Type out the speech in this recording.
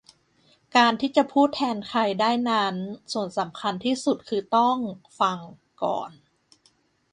การที่จะพูดแทนใครได้นั้นส่วนสำคัญที่สุดคือต้อง"ฟัง"ก่อน